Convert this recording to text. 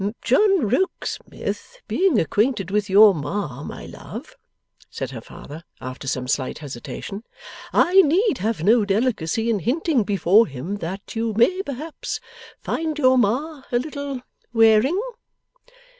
'John Rokesmith being acquainted with your Ma, my love,' said her father, after some slight hesitation, 'I need have no delicacy in hinting before him that you may perhaps find your Ma a little wearing.